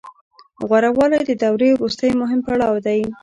غوره والی د دورې وروستی مهم پړاو دی